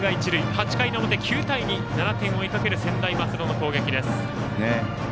８回の表、９対２７点を追いかける専大松戸の攻撃です。